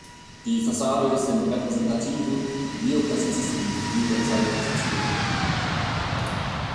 Die Fassade ist im repräsentativen, neoklassizistischen Stil der Zeit ausgeführt.